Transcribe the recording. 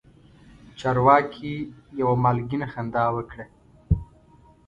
چارواکي یوه مالګینه خندا وکړه.